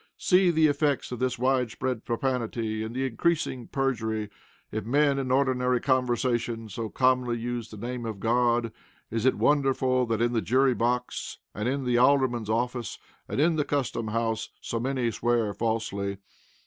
See the effects of this widespread profanity in the increasing perjury. If men in ordinary conversation so commonly use the name of God, is it wonderful that in the jury box, and in the alderman's office, and in the custom house so many swear falsely?